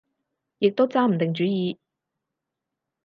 亦都揸唔定主意